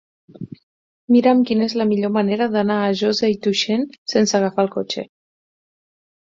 Mira'm quina és la millor manera d'anar a Josa i Tuixén sense agafar el cotxe.